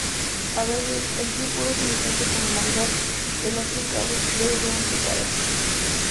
A veces, el pie puede utilizarse con normalidad; en otros casos, debe ser amputado.